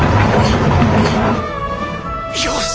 よし！